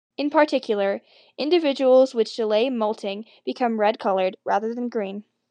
In particular, individuals which delay moulting become red-coloured rather than green.